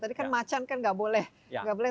tadi kan macan kan nggak boleh nggak boleh